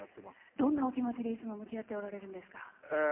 どんなお気持ちでいつも向き合ってるんですか？